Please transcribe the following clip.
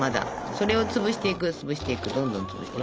それを潰していく潰していくどんどん潰していく。